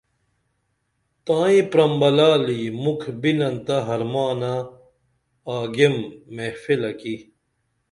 تائیں پرمبلالی مُکھ بِنن تہ حرمانہ آگیم محفلہ کی